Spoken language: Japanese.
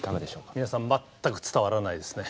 皆さん全く伝わらないですね。